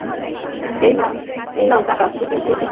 এই নাও টাকা, দিদি দিয়েছেন।